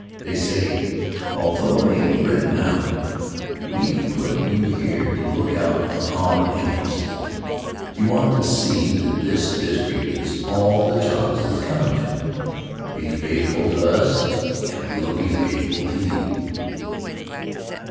They say, although it ain't written out: "We've put you here to look out for our Interests. You want to see that this district gets all the jobs that's comm' to it. Be faithful to us, and we'll be faithful to you."